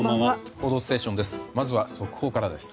「報道ステーション」です。